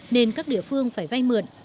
nên các địa phương phải vay mượn